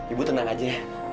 ibu tenang aja ya